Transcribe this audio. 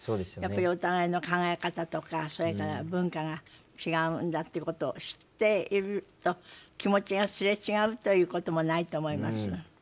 やっぱりお互いの考え方とかそれから文化が違うんだっていうことを知っていると気持ちがすれ違うということもないと思います。